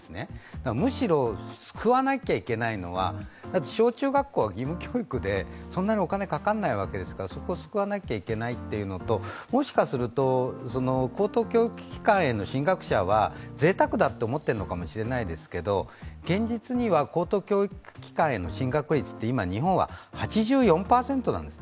だからむしろ救わなくちゃいけないのは、小中学校は義務教育でそんなにお金、かからないわけですから、そこを救わなきゃいけないということともしかすると、高等教育機関への進学者はぜいたくだと思っているのかもしれないんですが現実には高等教育機関への進学率って今、日本は８４％なんです。